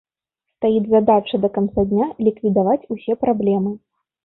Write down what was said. Стаіць задача да канца дня ліквідаваць усе праблемы.